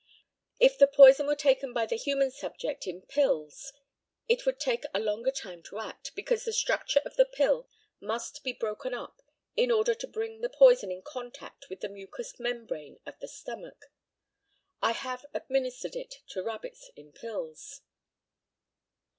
If the poison were taken by the human subject in pills it would take a longer time to act, because the structure of the pill must be broken up in order to bring the poison in contact with the mucous membrane of the stomach. I have administered it to rabbits in pills.